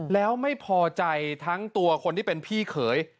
แล้วไม่พอใจทั้งตัวคนที่เป็นพี่เขย